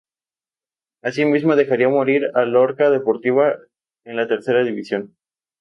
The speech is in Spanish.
Así mismo dejaría morir al Lorca Deportiva en la Tercera División.